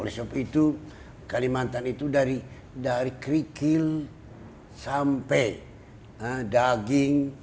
oleh sebab itu kalimantan itu dari kerikil sampai daging